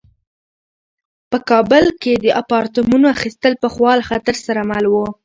په کابل کې د اپارتمانونو اخیستل پخوا له خطر سره مل وو.